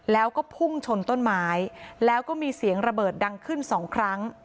แล้วก็พุ่งชนต้นไม้แล้วก็มีเสียงระเบิดดังขึ้นสองครั้ง